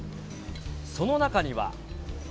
その中には。